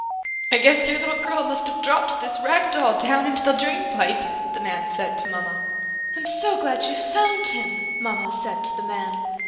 "I guess your little girl must have dropped this rag doll down into the drain pipe!" the man said to Mama. "I'm so glad you found him!" Mama said to the man.